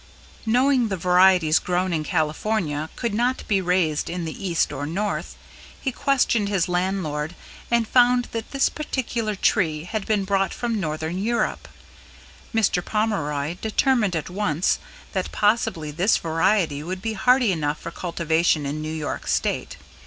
Knowing the varieties grown in California could not be raised in the East or North, he questioned his landlord and found that this particular tree had been brought from Northern Europe. Mr. Pomeroy determined at once that possibly this variety would be hardy enough for cultivation in New York State.